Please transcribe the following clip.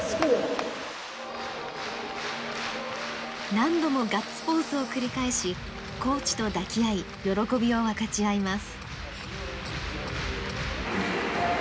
何度もガッツポーズを繰り返しコーチと抱き合い喜びを分かち合います。